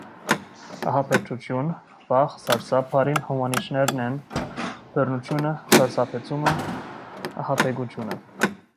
«Ահաբեկչութիւն» (, վախ, սարսափ) բառին հոմանիշներն են «բռնութիւնը», «սարսափեցումը», «ահաբեկութիւնը»։